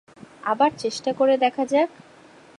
আবার চেষ্টা করে দেখা যাক?